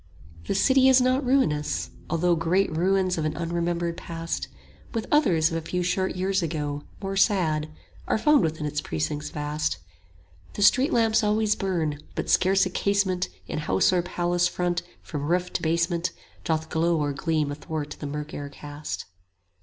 35 The city is not ruinous, although Great ruins of an unremembered past, With others of a few short years ago More sad, are found within its precincts vast. The street lamps always burn; but scarce a casement 40 In house or palace front from roof to basement Doth glow or gleam athwart the mirk air cast.